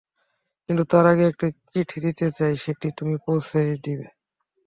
কিন্তু তার আগে একটি চিঠি দিতে চাই, সেটি তুমি পৌছিয়ে দেবে?